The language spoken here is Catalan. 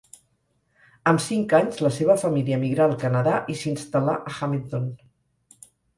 Amb cinc anys la seva família emigrà al Canadà i s'instal·là a Hamilton.